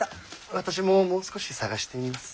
私ももう少し探してみます。